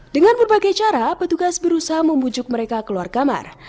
dengan berbagai cara petugas berusaha membujuk mereka keluar kamar